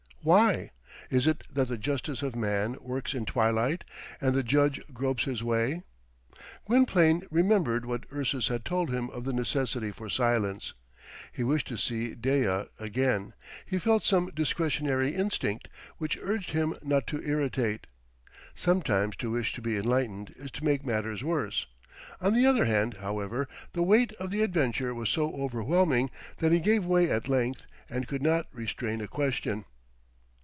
Why? Is it that the justice of man works in twilight, and the judge gropes his way? Gwynplaine remembered what Ursus had told him of the necessity for silence. He wished to see Dea again; he felt some discretionary instinct, which urged him not to irritate. Sometimes to wish to be enlightened is to make matters worse; on the other hand, however, the weight of the adventure was so overwhelming that he gave way at length, and could not restrain a question.